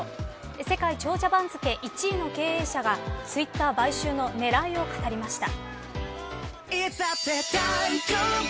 世界長者番付１位の経営者がツイッター買収の狙いを語りました。